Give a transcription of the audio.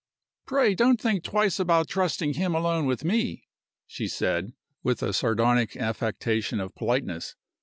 "Pray don't think twice about trusting him alone with me," she said, with a sardonic affectation of politeness.